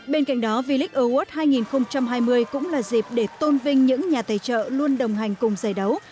bên cạnh đó village award hai nghìn hai mươi cũng là dịp để tôn vinh những nhà tài trợ luôn đồng hành cùng giải đấu